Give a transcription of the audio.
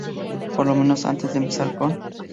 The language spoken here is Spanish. Por lo menos, antes de empezar con.